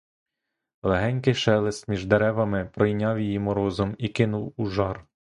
Легенький шелест між деревами пройняв її морозом і кинув у жар.